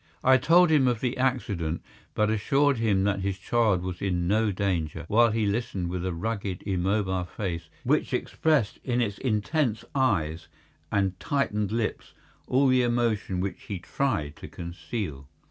I told him of the accident, but assured him that his child was in no danger, while he listened with a rugged, immobile face, which expressed in its intense eyes and tightened lips all the emotion which he tried to conceal.